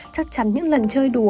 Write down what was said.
chắc chắn những lần chơi đùa